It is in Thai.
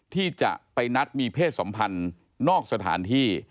ที่จะไปนัดมีเพศสัมพันธ์นอกสถานที่